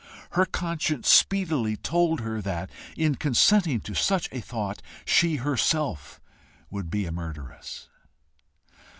Her conscience speedily told her that in consenting to such a thought, she herself would be a murderess.